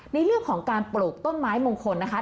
ในเรื่องของการปลูกต้นไม้มงคลนะคะ